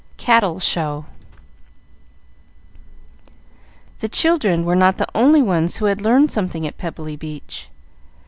Cattle Show The children were not the only ones who had learned something at Pebbly Beach.